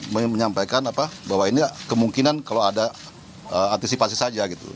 menyampaikan bahwa ini kemungkinan kalau ada antisipasi saja gitu